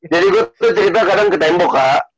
jadi gue tuh cerita kadang ke tembok kak